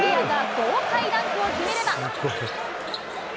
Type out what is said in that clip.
豪快ダンクを決めれば。